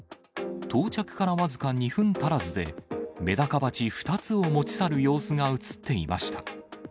到着から僅か２分足らずで、メダカ鉢２つを持ち去る様子が写っていました。